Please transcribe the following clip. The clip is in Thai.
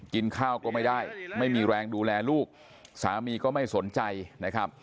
กินข้าวก็ไม่ได้ไม่มีแรงดูแลลูกสามีก็ไม่สนใจนะครับ